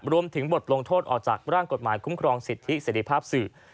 รวมถึงบทลงโทษออกจากร่างกฎหมายคุ้มครองสิทธิเสรีภาพสื่อ